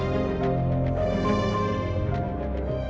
ngerayain ulang tahun ibu